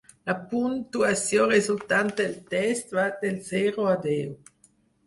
La puntuació resultant del test va del zero al deu.